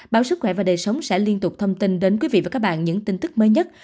báo sức khỏe và đời sống sẽ liên tục thông tin đến quý vị và các bạn những tin tức mới nhất